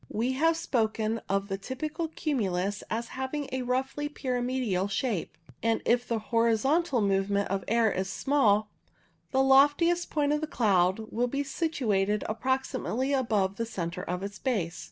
We have spoken of the typical cumulus as having a roughly pyramidal shape, and if the horizontal movement of the air is small, the loftiest INFLUENCE OF VELOCITY 103 point of the cloud will be situated approximately above the centre of its base.